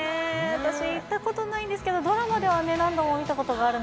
私、行ったことないんですけど、ドラマでは何度も見たことがある